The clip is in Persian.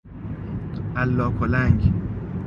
الا کلنگ